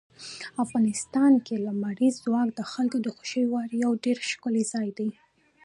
افغانستان کې لمریز ځواک د خلکو د خوښې وړ یو ډېر ښکلی ځای دی.